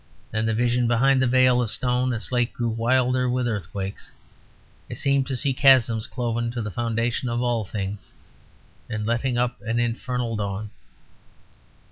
Then the vision behind the veil of stone and slate grew wilder with earthquakes. I seemed to see chasms cloven to the foundations of all things, and letting up an infernal dawn.